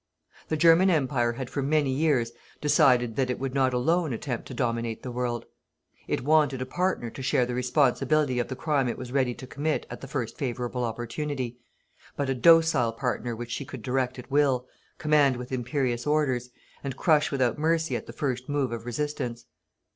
The German Empire had for many years decided that it would not alone attempt to dominate the world. It wanted a partner to share the responsibility of the crime it was ready to commit at the first favourable opportunity, but a docile partner which she could direct at will, command with imperious orders, and crush without mercy at the first move of resistance.